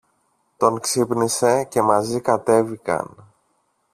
Τον ξύπνησε και μαζί κατέβηκαν.